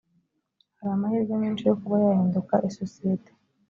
hari amahirwe menshi yo kuba yahinduka isosiyete